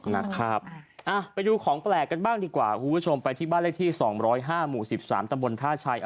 นะครับไปดูของแปลกกันบ้างดีกว่าคุณผู้ชมไปที่บ้านเลขที่๒๐๕หมู่๑๓ตำบลท่าชัย